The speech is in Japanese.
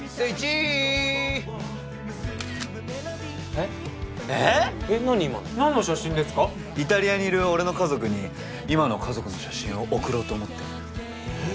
イタリアにいる俺の家族に今の家族の写真を送ろうと思って。